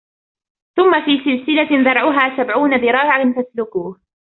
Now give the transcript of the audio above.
ثم في سلسلة ذرعها سبعون ذراعا فاسلكوه